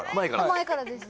前からです